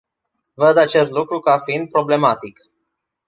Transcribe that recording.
Văd acest lucru ca fiind problematic.